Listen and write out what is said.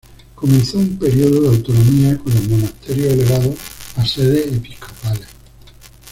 Comenzó un período de autonomía con los monasterios elevados a sedes episcopales.